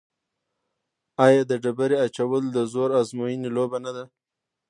آیا د ډبرې اچول د زور ازموینې لوبه نه ده؟